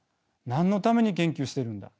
何のために研究してるんだ？